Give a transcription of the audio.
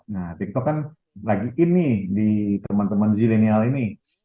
nah tiktok kan lagi in nih di teman teman zilenial ini